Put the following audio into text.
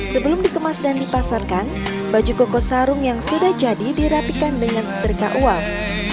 sebelum dikemas dan dipasarkan baju koko sarung yang sudah jadi dirapikan dengan sedekah uang